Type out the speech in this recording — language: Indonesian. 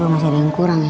masih ada yang kurang ya